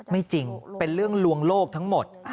ไม่จริงเป็นเรื่องลวงโลกทั้งหมด